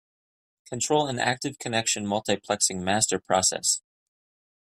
Control an active connection multiplexing master process.